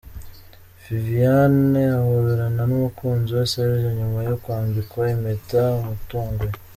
Viviane ahoberana n'umukunzi we Serge nyuma yo kwambikwa impeta amutunguye.